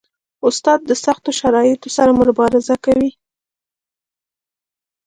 استاد د سختو شرایطو سره مبارزه کوي.